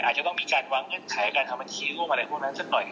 อาจจะต้องมีการวางเงื่อนไขการทำบัญชีร่วมอะไรพวกนั้นสักหน่อย